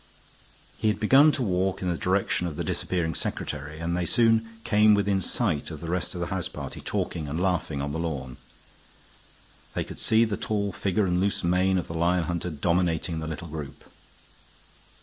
He had begun to walk in the direction of the disappearing secretary, and they soon came within sight of the rest of the house party talking and laughing on the lawn. They could see the tall figure and loose mane of the lion hunter dominating the little group.